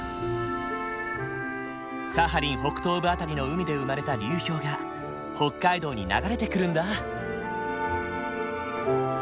サハリン北東部辺りの海で生まれた流氷が北海道に流れてくるんだ。